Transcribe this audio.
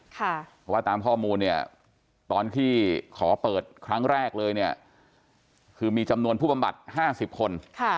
เพราะว่าตามข้อมูลตอนที่ขอเปิดครั้งแรกเลยคือมีจำนวนผู้ประบัติ๕๐คน